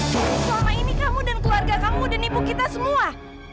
selama ini kamu dan keluarga kamu dan ibu kita semua